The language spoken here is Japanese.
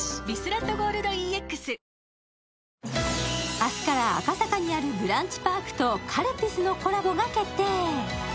明日から赤坂にあるＢＲＵＮＣＨＰＡＲＫとカルピスのコラボが決定。